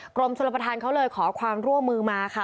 กรมชนประธานเขาเลยขอความร่วมมือมาค่ะ